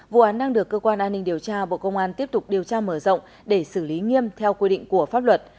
vụ án đang được cơ quan an ninh điều tra bộ công an tiếp tục điều tra mở rộng để xử lý nghiêm theo quy định của pháp luật